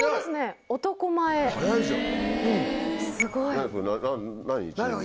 すごい。何？